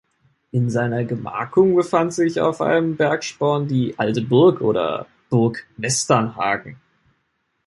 In seiner Gemarkung befand sich auf einem Bergsporn die "Alte Burg" oder Burg Westernhagen.